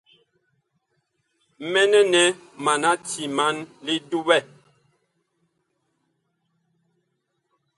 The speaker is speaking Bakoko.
Mɛnɛ nɛ mana timan li duɓɛ.